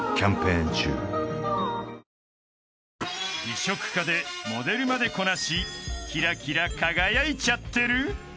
［美食家でモデルまでこなしキラキラ輝いちゃってる？］